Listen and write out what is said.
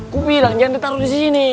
kubilang jangan ditaruh di sini